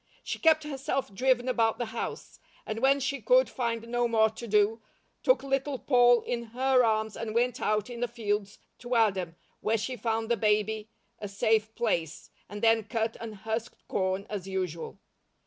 She kept herself driven about the house, and when she could find no more to do, took Little Poll in her arms and went out in the fields to Adam, where she found the baby a safe place, and then cut and husked corn as usual.